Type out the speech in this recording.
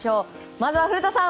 まずは古田さん